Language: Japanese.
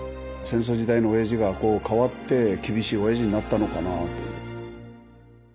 戦争時代のおやじがこう変わって厳しいおやじになったのかなという。